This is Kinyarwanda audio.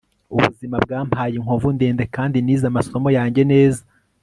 ubuzima bwampaye inkovu ndende kandi nize amasomo yanjye neza